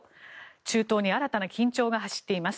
中東に新たな緊張が走っています。